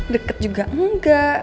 deket juga enggak